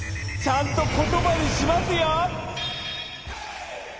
ちゃんとことばにしますよ。